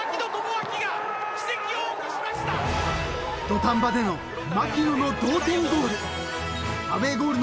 ［土壇場での槙野の同点ゴール］